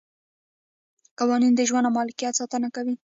قوانین د ژوند او ملکیت ساتنه کوي.